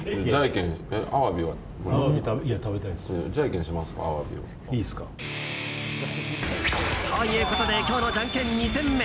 じゃんけんで。ということで今日のじゃんけん２戦目。